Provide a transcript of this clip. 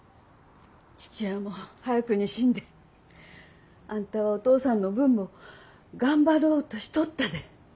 父親も早くに死んであんたはお父さんの分も頑張ろうとしとったで。